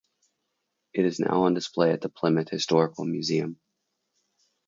It is now on display at the Plymouth Historical Museum.